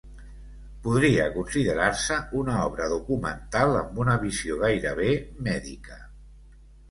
Podria considerar-se una obra documental amb una visió gairebé mèdica.